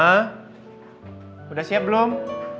ma udah siap belum